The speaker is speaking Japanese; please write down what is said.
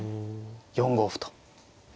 ４五歩と。